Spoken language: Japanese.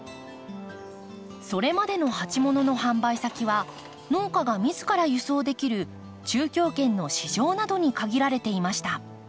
それまでの鉢物の販売先は農家が自ら輸送できる中京圏の市場などに限られていました。